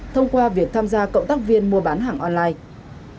thông qua việc tham gia cộng tác viên mua bán hàng online